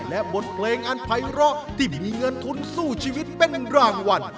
และบทเพลงอันภัยเลาะที่มีเงินทุนสู้ชีวิตเป็นรางวัล